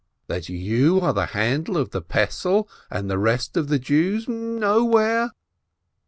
That you are the 'handle of the pestle' and the rest of the Jews nowhere?